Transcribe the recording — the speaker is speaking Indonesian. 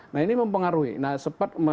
nah ini mempengaruhi nah sempat